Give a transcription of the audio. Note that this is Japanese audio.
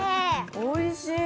◆おいしい。